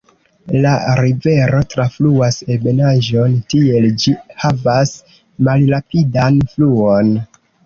La rivero trafluas ebenaĵon, tiel ĝi havas malrapidan fluon.